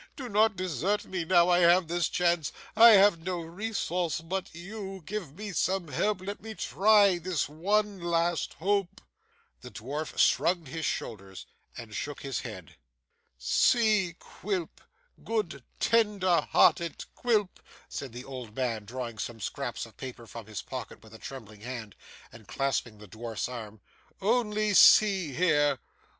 Do not desert me, now I have this chance. I have no resource but you, give me some help, let me try this one last hope.' The dwarf shrugged his shoulders and shook his head. 'See, Quilp, good tender hearted Quilp,' said the old man, drawing some scraps of paper from his pocket with a trembling hand, and clasping the dwarf's arm, 'only see here.